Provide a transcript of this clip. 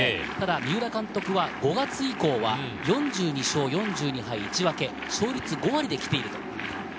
三浦監督は５月以降は４２勝４２敗１分け、勝率５割できている。